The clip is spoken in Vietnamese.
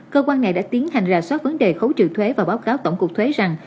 cơ quan này đã tiến hành rà soát vấn đề khấu triệu thuế và báo cáo tổng cục thuế rằng